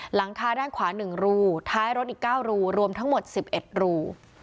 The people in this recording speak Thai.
หลังคาด้านขวาหนึ่งรูท้ายรถอีกเก้ารูรวมทั้งหมดสิบเอ็ดรู